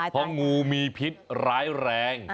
เพราะงูมีพิษร้ายแรง